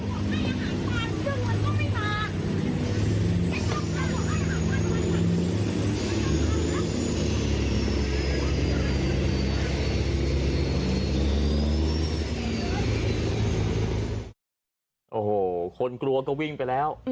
โอ้โหคนกลัวก็วิ่งไปแล้ว